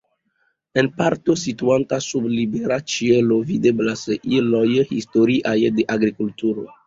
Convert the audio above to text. En parto situanta sub libera ĉielo videblas iloj historiaj de agrikulturo.